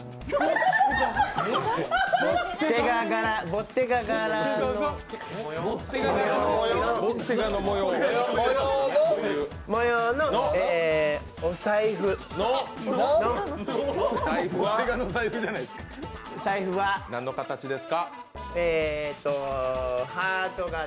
ボッテガ柄の模様のお財布の財布はハート形。